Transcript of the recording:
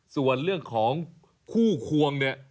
ส่วนเรื่องของคู่ควงเนี่ย